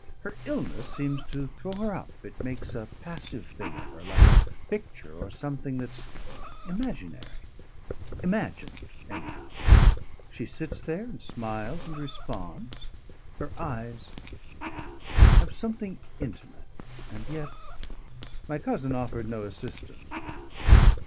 Her illness seems to throw her up. It makes a passive thing of her, like a picture or something that's imaginary. Imagined anyhow. She sits there and smiles and responds. Her eyes have something intimate. And yet " My cousin offered no assistance.